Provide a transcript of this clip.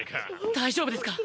大丈夫ですか？